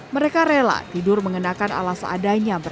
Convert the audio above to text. mereka rela tidur mengenakan alat seadanya berikutnya